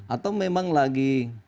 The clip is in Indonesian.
atau memang lagi